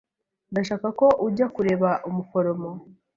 Ndashaka ko ujya kureba umuforomo.